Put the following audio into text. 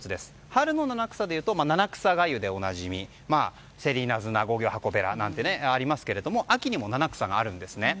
春の七草でいうと七草がゆでおなじみセリ、ナズナ、ハコベなんてありますが秋にも七草があるんですね。